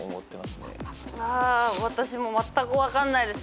私まったく分かんないです。